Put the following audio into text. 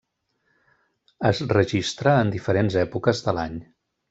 Es registra en diferents èpoques de l'any.